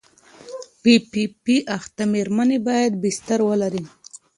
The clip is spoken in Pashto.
پي پي پي اخته مېرمنې باید بستر ولري.